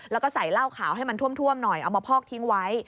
แล้วก็ใส่เหล้าขาวให้มันท่วมหน่อยเอามาพอกทิ้งไว้